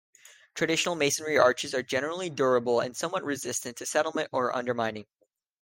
Traditional masonry arches are generally durable, and somewhat resistant to settlement or undermining.